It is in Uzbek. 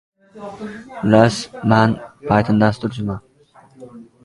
— Gapni u jigitdan so‘ramang, mendan so‘rang, katta! Gapni men gapirdim!